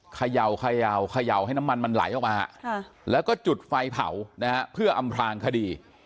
เขย่าเขย่าให้น้ำมันมันไหลออกมาแล้วก็จุดไฟเผานะฮะเพื่ออำพลางคดี